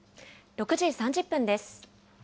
６時３０分です。